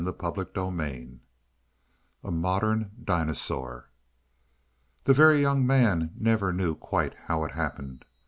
CHAPTER XXXIX A MODERN DINOSAUR The Very Young Man never knew quite how it happened.